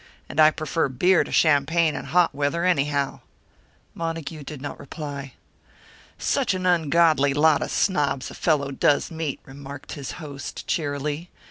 And I prefer beer to champagne in hot weather, anyhow." Montague did not reply. "Such an ungodly lot of snobs a fellow does meet!" remarked his host, cheerily.